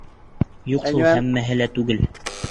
Юҡ шул, һәммәһе лә түгел.